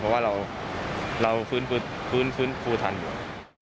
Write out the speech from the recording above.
เพราะว่าเราฟื้นฟูทันอยู่